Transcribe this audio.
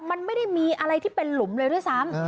มันไม่ได้มีอะไรที่เป็นหลุมเลยด้วยซ้ำ